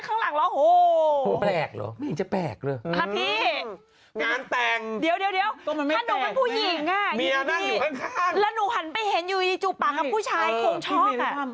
ถ้าหนูเป็นผู้หญิงยืนดีแล้วหนูหันไปเห็นยืนดีจูบปากกับผู้ชายคงช็อค